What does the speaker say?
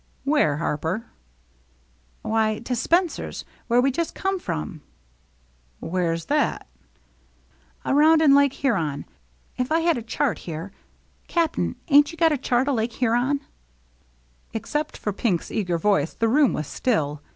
"Where, Harper?" "Why, to Spencer's, where we just come from." "Where's that?" " Around in Lake Huron. If I had a chart here — Cap'n, ain't you got a chart o' Lake Huron ?" Except for Pink's eager voice, the room was still.